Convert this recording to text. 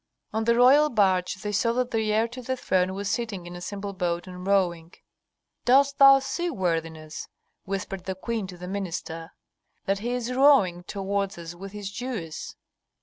On the royal barge they saw that the heir to the throne was sitting in a simple boat and rowing. "Dost thou see, worthiness," whispered the queen to the minister, "that he is rowing toward us with his Jewess?"